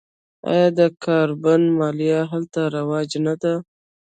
آیا د کاربن مالیه هلته رواج نه ده؟